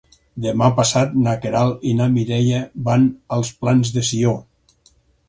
Demà passat na Queralt i na Mireia van als Plans de Sió.